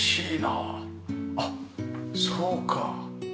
あっそうか。